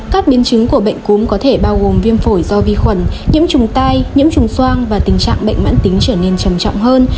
các biến chứng của bệnh cúm có thể bao gồm viêm phổi do vi khuẩn nhiễm trùng tai nhiễm trùng soang và tình trạng bệnh mãn tính trở nên trầm trọng hơn